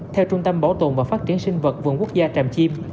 theo trung tâm bảo tồn và phát triển sinh vật vườn quốc gia tràm chim